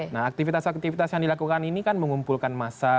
nah aktivitas aktivitas yang dilakukan ini kan mengumpulkan massa